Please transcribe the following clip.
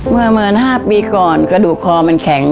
เมื่อเหมือน๕ปีก่อนกระดูกคอมันแข็ง